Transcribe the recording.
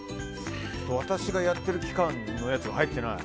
私がやってる期間のやつが入ってない！